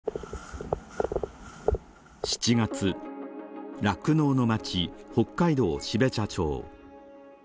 ７月、酪農の町・北海道標茶町。